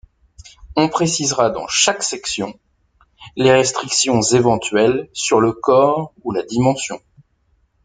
On précisera dans chaque section, les restrictions éventuelles sur le corps ou la dimension.